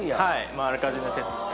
もうあらかじめセットして。